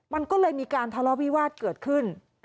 มันก็เลยมีการทะเลาะวิวาสเกิดขึ้น